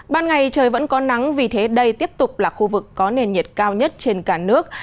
ban ngày trời vẫn có nắng vì thế đây tiếp tục là khu vực có nền nhiệt cao nhất trên cả nước